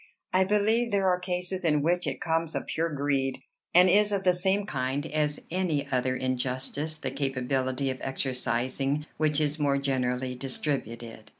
I believe there are cases in which it comes of pure greed, and is of the same kind as any other injustice the capability of exercising which is more generally distributed.